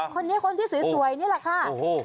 คนนี้คนที่สวยนี่แหละค่ะ